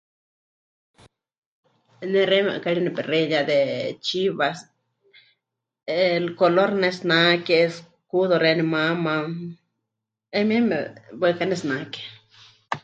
Ne xeíme 'ɨkari nepexeiya de chivas, el color pɨnetsinake, escudo xeeníu mama, hayumieme waɨká pɨnetsinake.